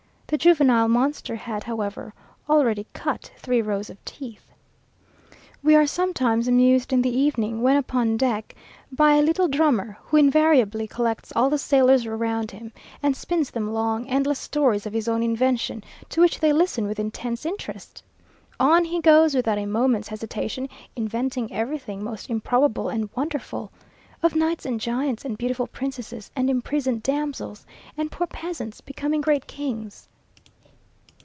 The juvenile monster had, however, already cut three rows of teeth. We are sometimes amused in the evening, when upon deck, by a little drummer, who invariably collects all the sailors round him, and spins them long, endless stories of his own invention, to which they listen with intense interest. On he goes, without a moment's hesitation, inventing everything most improbable and wonderful; of knights and giants and beautiful princesses, and imprisoned damsels, and poor peasants becoming great kings.